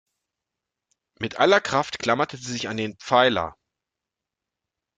Mit aller Kraft klammerte sie sich an den Pfeiler.